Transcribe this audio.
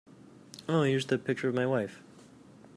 Here's the picture of my wife.